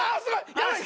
やばい！